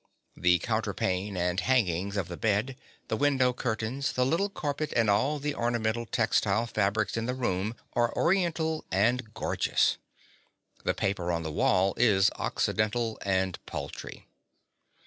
The counterpane and hangings of the bed, the window curtains, the little carpet, and all the ornamental textile fabrics in the room are oriental and gorgeous: the paper on the walls is occidental and paltry.